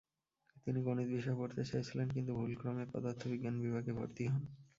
তিনি গণিত বিষয়ে পড়তে চেয়েছিলেন, কিন্তু ভুলক্রমে পদার্থবিজ্ঞান বিভাগে ভর্তি হন।